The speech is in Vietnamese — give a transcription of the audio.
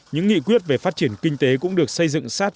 những nghị quyết về phát triển kinh tế cũng được xây dựng sát